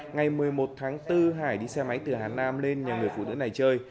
ngày một mươi một tháng bốn hải đi xe máy từ hà nam lên nhờ người phụ nữ này chơi